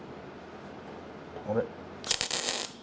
あれ？